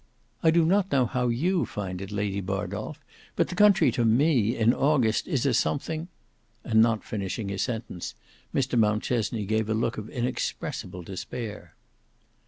I do not know how you find it, Lady Bardolf, but the country to me in August is a something;"—and not finishing his sentence, Mr Mountchesney gave a look of inexpressible despair.